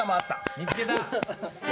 見つけた。